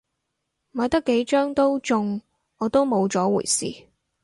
買得幾張都中，我都冇咗回事